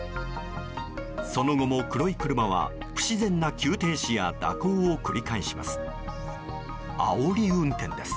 その後も、黒い車は不自然な急停止や蛇行を繰り返します。